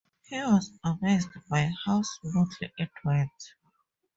He was amazed by how smoothly it went.